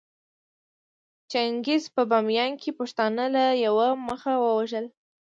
چنګېز په باميان کې پښتانه له يوه مخه ووژل